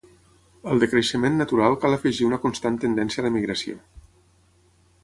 Al decreixement natural cal afegir una constant tendència a l'emigració.